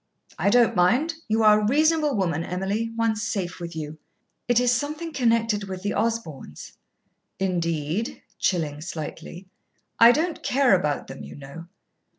"I don't mind. You are a reasonable woman, Emily. One's safe with you." "It is something connected with the Osborns." "Indeed!" chilling slightly. "I don't care about them, you know."